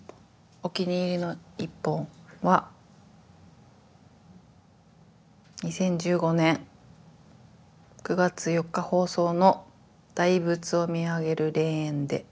お気に入りの１本は２０１５年９月４日放送の「大仏を見上げる霊園で」です。